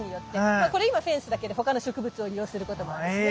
まあこれ今フェンスだけど他の植物を利用することもあるしね。